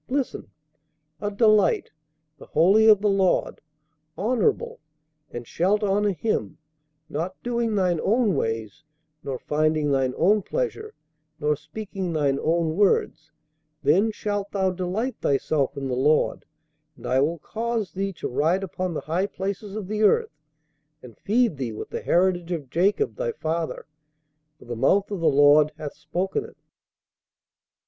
Listen: 'a delight, the holy of the Lord, honorable; and shalt honor him, not doing thine own ways, nor finding thine own pleasure, nor speaking thine own words: then shalt thou delight thyself in the Lord; and I will cause thee to ride upon the high places of the earth, and feed thee with the heritage of Jacob thy father; for the mouth of the Lord hath spoken it.'"